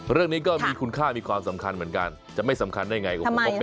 เรื่องนี้ก็มีคุณค่ามีความสำคัญเหมือนกันจะไม่สำคัญได้ไง